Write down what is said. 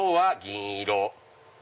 銀色。